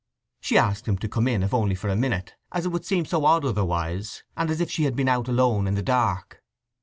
She asked him to come in, if only for a minute, as it would seem so odd otherwise, and as if she had been out alone in the dark.